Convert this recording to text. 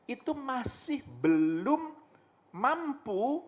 itu masih belum mampu